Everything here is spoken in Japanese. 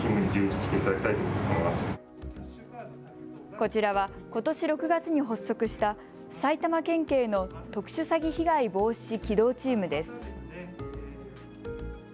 こちらは、ことし６月に発足した埼玉県警の特殊詐欺被害防止機動チームです。